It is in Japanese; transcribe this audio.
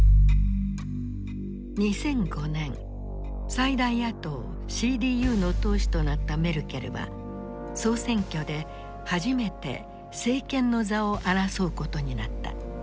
最大野党ＣＤＵの党首となったメルケルは総選挙で初めて政権の座を争うことになった。